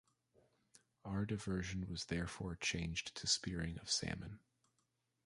Our diversion was therefore changed to spearing of salmon.